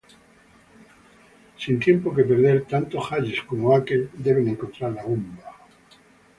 Sin tiempo que perder, tanto Hayes como Oakes deben encontrar la bomba.